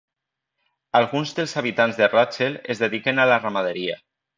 Alguns dels habitants de Rachel es dediquen a la ramaderia.